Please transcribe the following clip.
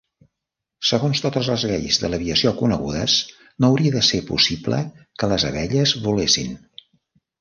Segons totes les lleis de l'aviació conegudes, no hauria de ser possible que les abelles volessin.